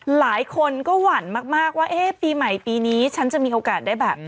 หลายคนก็หวั่นมากว่าเอ๊ะปีใหม่ปีนี้ฉันจะมีโอกาสได้แบบ